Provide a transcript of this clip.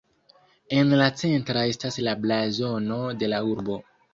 En la centra estas la blazono de la urbo.